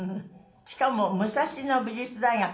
しかも武蔵野美術大学のご出身。